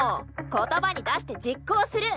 言葉に出して実行する！